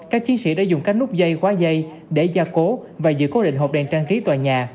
các chiến sĩ đã dùng các nút dây khóa dây để gia cố và giữ cố định hộp đèn trang trí tòa nhà